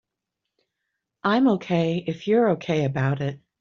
I'm OK if you're OK about it.